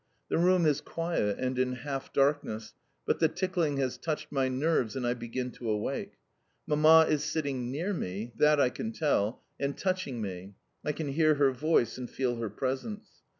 The room is quiet and in half darkness, but the tickling has touched my nerves and I begin to awake. Mamma is sitting near me that I can tell and touching me; I can hear her voice and feel her presence.